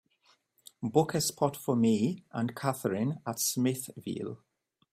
Book a spot for me and kathrine at Smithville